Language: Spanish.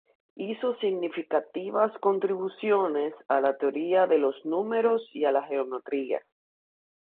Hizo significativas contribuciones a la teoría de los números y a la geometría.